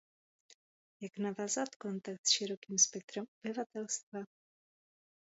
Jak navázat kontakt s širokým spektrem obyvatelstva?